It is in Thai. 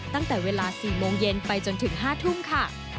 ตั้งแต่เวลา๔โมงเย็นไปจนถึง๕ทุ่มค่ะ